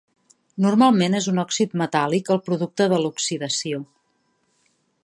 Normalment és un òxid metàl·lic, el producte de l"oxidació.